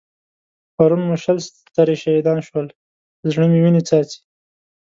پرون مو شل سترې شهيدان شول؛ تر زړه مې وينې څاڅي.